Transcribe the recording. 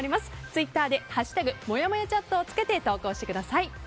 ツイッターで「＃もやもやチャット」をつけて投稿してください。